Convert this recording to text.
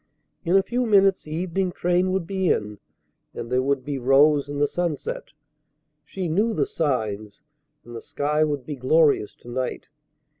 In a few minutes the evening train would be in, and there would be rose in the sunset. She knew the signs, and the sky would be glorious to night.